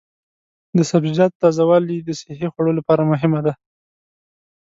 د سبزیجاتو تازه والي د صحي خوړو لپاره مهمه ده.